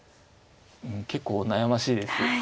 結構悩ましいです。